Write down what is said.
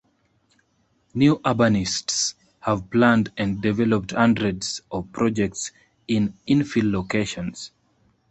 New Urbanists have planned and developed hundreds of projects in infill locations.